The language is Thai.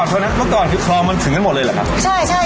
เมื่อก่อนคอมเขาถึงหมดเลยยังไง